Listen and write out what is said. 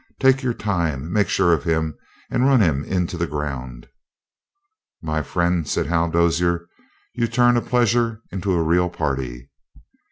Take your time, make sure of him, and run him into the ground." "My friend," said Hal Dozier, "you turn a pleasure into a real party."